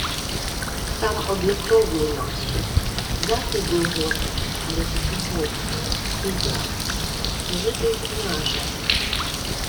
— Там однокровні наші. Західні готи, але таки готи, і я. Великий княже...